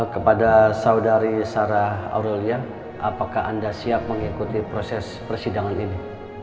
kepada saudari sarah aurelia apakah anda siap mengikuti proses persidangan ini